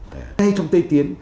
đây trong tây tiến